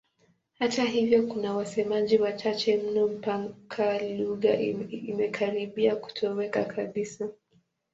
Hata hivyo kuna wasemaji wachache mno mpaka lugha imekaribia kutoweka kabisa.